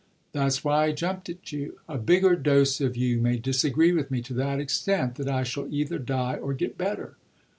"That's why I jumped at you. A bigger dose of you may disagree with me to that extent that I shall either die or get better."